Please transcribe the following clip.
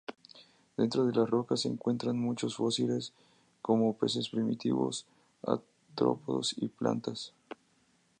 Dentro de las rocas se encuentran muchos fósiles, como peces primitivos, artrópodos y plantas.